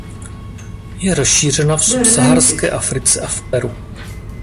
Je rozšířena v subsaharské Africe a v Peru.